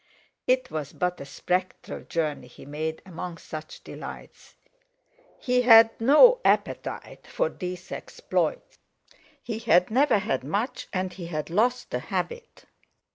It was but a spectral journey he made among such delights—he had no appetite for these exploits. He had never had much, and he had lost the habit.